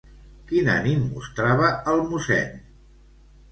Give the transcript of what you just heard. Quin ànim mostrava el mossèn?